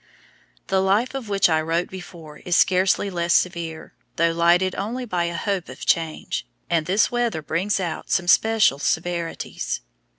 The life of which I wrote before is scarcely less severe, though lightened by a hope of change, and this weather brings out some special severities.